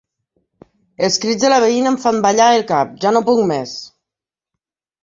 Els crits de la veïna em fan ballar el cap. Ja no puc més!